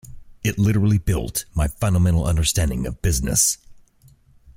It literally built my fundamental understanding of business.